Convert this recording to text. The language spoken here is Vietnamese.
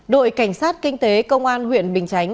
đội cảnh sát kinh tế công an huyện bình chánh